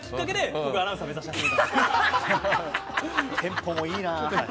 テンポもいいな。